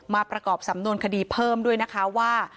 ประกอบสำนวนคดีเพิ่มด้วยนะคะว่า